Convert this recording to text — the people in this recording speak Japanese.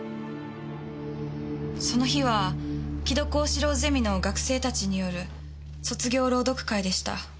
その日は城戸幸四郎ゼミの学生たちによる卒業朗読会でした。